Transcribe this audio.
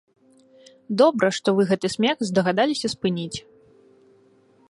Добра, што вы гэты смех здагадаліся спыніць.